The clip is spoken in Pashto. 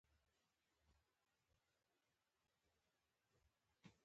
وئ خوږ شوم